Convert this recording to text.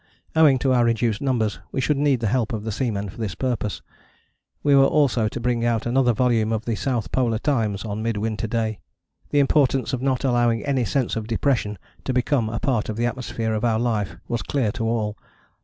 Owing to our reduced numbers we should need the help of the seamen for this purpose. We were also to bring out another volume of the South Polar Times on Mid winter Day. The importance of not allowing any sense of depression to become a part of the atmosphere of our life was clear to all.